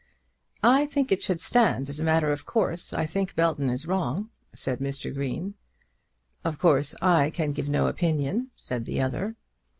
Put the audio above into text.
"I think it should stand, as a matter of course. I think Belton is wrong," said Mr. Green. "Of course I can give no opinion," said the other.